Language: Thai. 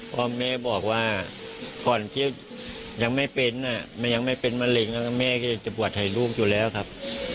เพราะแม่บอกว่าก่อนที่ยังไม่เป็นมะลิงแม่ก็ยังจะบวชไถ่ลูกอยู่แล้วครับ